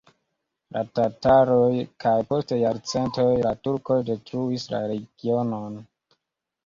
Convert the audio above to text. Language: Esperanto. La tataroj kaj post jarcentoj la turkoj detruis la regionon.